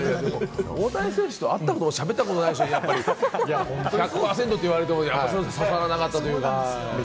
大谷選手と会ったことも喋ったことない人に１００％と言われても、伝わらなかったというか。